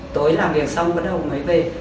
tối làm việc xong vẫn không thấy về